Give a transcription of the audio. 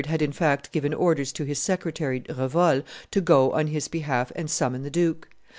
had in fact given orders to his secretary Revol to go on his behalf and summon the duke.